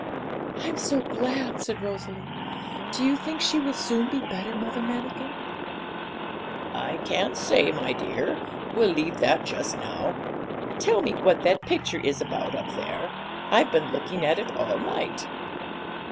'I'm so glad!' said Rosalie. 'Do you think she will soon be better, Mother Manikin?' 'I can't say, my dear; we'll leave that just now. Tell me what that picture is about up there? I've been looking at it all night.'